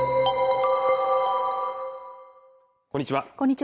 こんにちは